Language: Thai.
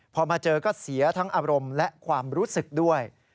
พอมาเจอก็เสียทั้งอารมณ์และความรู้สึกด้วย